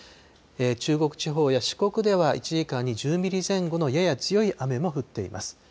中国地方や四国では１時間に１０ミリ前後のやや強い雨も降っています。